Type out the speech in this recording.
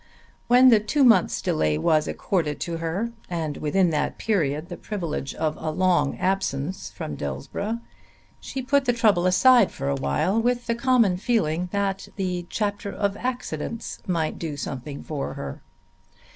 When the two months' delay was accorded to her, and within that period the privilege of a long absence from Dillsborough, she put the trouble aside for a while with the common feeling that the chapter of accidents might do something for her.